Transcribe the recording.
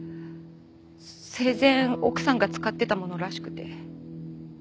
生前奥さんが使ってた物らしくて。